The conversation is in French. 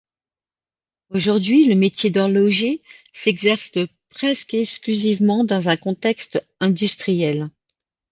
Aujourd'hui, le métier d'horloger s'exerce presque exclusivement dans un contexte industriel.